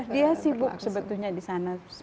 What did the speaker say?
dia sibuk sebetulnya di sana